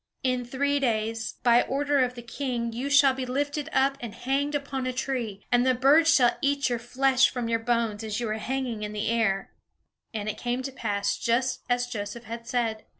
In three days, by order of the king you shall be lifted up, and hanged upon a tree; and the birds shall eat your flesh from your bones as you are hanging in the air." And it came to pass just as Joseph had said.